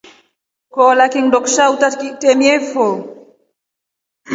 Kwalolia kindo kisha utakireemiefo.